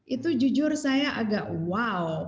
itu jujur saya agak wow